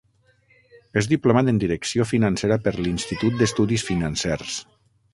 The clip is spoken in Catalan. És diplomat en Direcció Financera per l’Institut d’Estudis Financers.